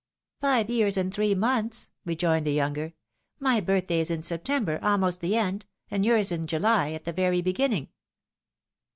" Five years and three months," rejoined the younger. " My birthday is in September, almost the end, and yours in July, at the very beginning."